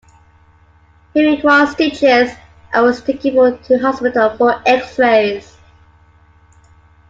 He required stitches and was taken to hospital for X-rays.